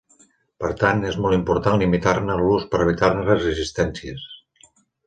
Per tant, és molt important limitar-ne l'ús per evitar-ne resistències.